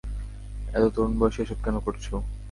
এত তরুণ বয়সে এসব কেন করছো?